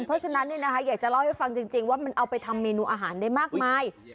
เพราะฉะนั้นอยากจะเล่าให้ฟังจริงว่ามันเอาไปทำเมนูอาหารได้มากมาย